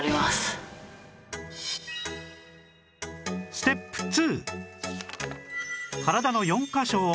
ステップ２